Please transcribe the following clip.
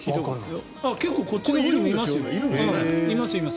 結構こっちのほうにもいますよ。